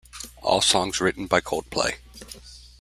All songs written by Coldplay.